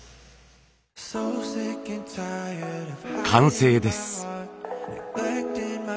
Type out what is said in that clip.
完成です。